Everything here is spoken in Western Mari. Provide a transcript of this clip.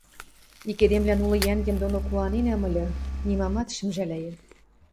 — Ик эдемлӓн улы йӓнгем доно куаненӓм ыльы, нимамат шӹм ӹжӓлӓйӹ